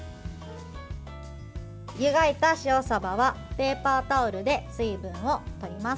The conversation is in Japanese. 湯がいた塩さばはペーパータオルで水分を取ります。